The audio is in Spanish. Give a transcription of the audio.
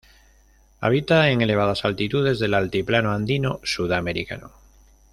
Habita en elevadas altitudes del altiplano andino sudamericano.